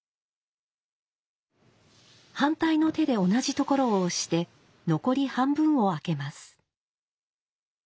反対の手で同じ所を押して残り半分を開けます。